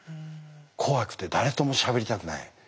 怖くて誰ともしゃべりたくない。